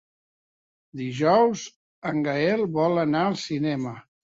Dijous en Gaël vol anar al cinema.